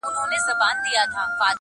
• زه به مي څنګه کوچۍ ښکلي ته غزل ولیکم -